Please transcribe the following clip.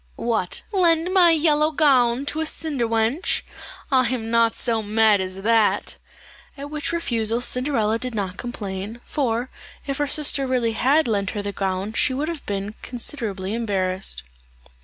"What, lend my yellow gown to a cinder wench! I am not so mad as that;" at which refusal Cinderella did not complain, for if her sister really had lent her the gown she would have been considerably embarrassed.